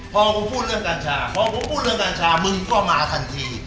พอกูพูดเรื่องกัญชาพอผมพูดเรื่องกัญชามึงก็มาทันที